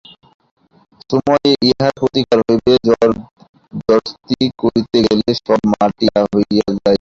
সময়ে ইহার প্রতিকার হইবে, জবর্দস্তি করিতে গেলে সব মাটি হইয়া যাইবে।